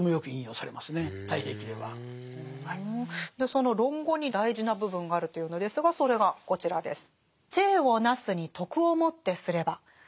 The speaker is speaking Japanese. その「論語」に大事な部分があるというのですがそれがこちらです。